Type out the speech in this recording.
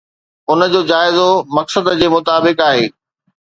ان جو جائزو مقصد جي مطابق آهي.